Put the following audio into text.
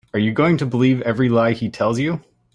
Are you going to believe every lie he tells you?